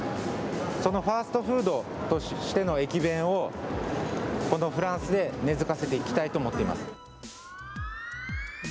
そのファストフードとしての駅弁を、このフランスで根づかせていきたいと思っています。